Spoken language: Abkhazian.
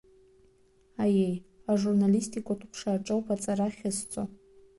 Аиеи, ажурналистикатә ҟәша аҿы ауп аҵара ахьысҵо.